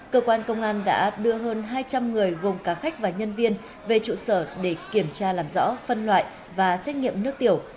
cơ quan công an đã đưa hơn hai trăm linh người gồm cả khách và nhân viên về trụ sở để kiểm tra làm rõ phân loại và xét nghiệm nước tiểu